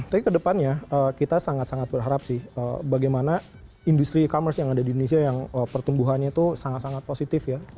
tapi kedepannya kita sangat sangat berharap sih bagaimana industri e commerce yang ada di indonesia yang pertumbuhannya itu sangat sangat positif ya